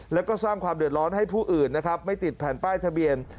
แล้วก็สร้างความเดือดร้อนให้ผู้อื่นนะครับไม่ติดแผ่นป้ายทะเบียน